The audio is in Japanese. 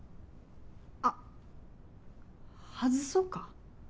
あ外そうか。